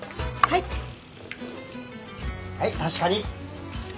はい確かに。